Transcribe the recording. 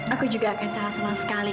aku juga akan sangat senang sekali